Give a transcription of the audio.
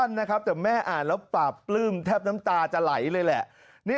นะครับแต่แม่อ่านแล้วปราบปลื้มแทบน้ำตาจะไหลเลยแหละ